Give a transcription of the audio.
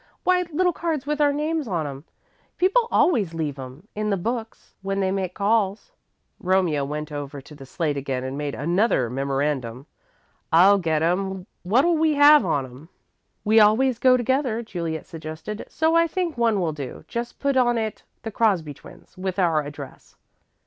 "Why, little cards with our names on 'em. People always leave 'em, in the books, when they make calls." Romeo went over to the slate again and made another memorandum. "I'll get 'em. What'll we have on 'em?" "We always go together," Juliet suggested, "so I think one will do. Just put on it 'The Crosby Twins,' with our address."